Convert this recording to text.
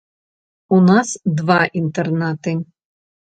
У нас два інтэрнаты.